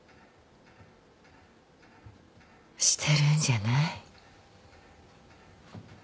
してるんじゃない？